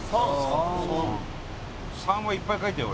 ３はいっぱい書いたよ